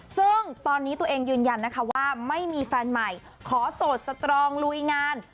ซึ่งตอนนี้ตัวเองยืนยันนะคะว่าไม่มีแฟนใหม่ขอโสดสตรองลุยงาน